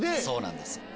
そうなんです。